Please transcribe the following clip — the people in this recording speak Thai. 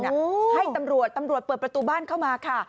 ให้ตำรวจตำรวจเปิดประตูบ้านเข้ามาค่ะ